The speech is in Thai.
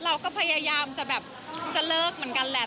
เราก็พยายามจะแบบจะเลิกเหมือนกันแหละ